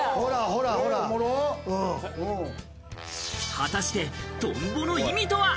果たして、トンボの意味とは。